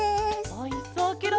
おいしそうケロ。